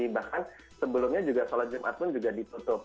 bahkan sebelumnya juga sholat jumat pun juga ditutup